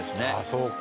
そうか。